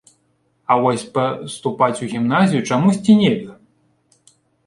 А вось паступаць у гімназію чамусьці нельга.